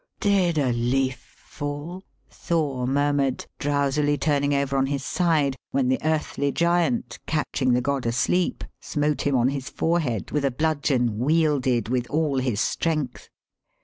*^Did a leaf fall?" Thor murmured, drowsily turning over on his side when the earthly giant, catching the god asleep, smote him on the forehead with a bludgeon wielded with all his strength.